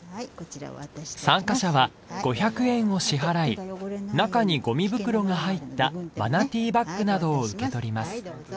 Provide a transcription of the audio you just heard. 参加者は５００円を支払い中にゴミ袋が入ったマナティバッグなどを受け取ります。